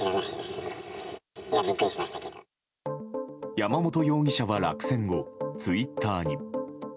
山本容疑者は落選後ツイッターに。